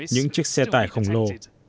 những chiếc xe tải khổng lồ